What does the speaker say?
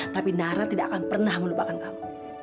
tapi nara tidak akan pernah melupakan kamu